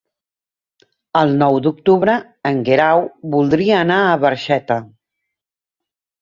El nou d'octubre en Guerau voldria anar a Barxeta.